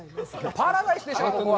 パラダイスでしょう、ここは。